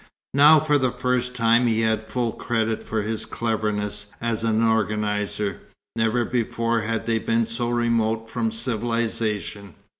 Now for the first time he had full credit for his cleverness as an organizer. Never before had they been so remote from civilization.